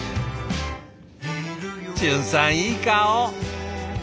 淳さんいい顔！